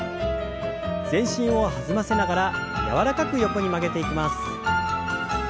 全身を弾ませながら柔らかく横に曲げていきます。